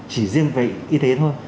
chỉ riêng về y tế thôi